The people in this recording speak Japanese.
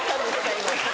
今。